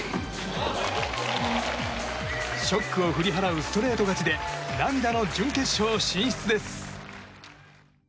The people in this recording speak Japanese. ショックを振り払うストレート勝ちで涙の準決勝進出です。